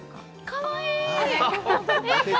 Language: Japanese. かわいい！